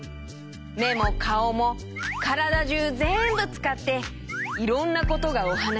めもかおもからだじゅうぜんぶつかっていろんなことがおはなしできるんだよ。